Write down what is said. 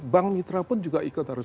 bank mitra pun juga ikut harus